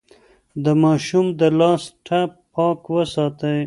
د ماشوم د لاس ټپ پاک وساتئ.